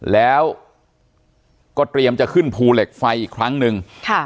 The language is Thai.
แล้วก็เตรียมจะขึ้นภูเหล็กไฟอีกครั้งหนึ่งค่ะ